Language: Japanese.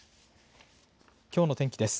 きょうの天気です。